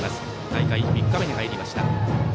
大会は３日目に入りました。